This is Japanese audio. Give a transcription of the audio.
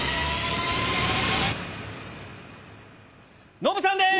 ノブさんでーす！